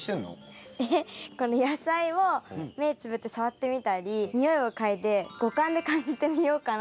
この野菜を目つぶって触ってみたり匂いを嗅いで五感で感じてみようかなって思って。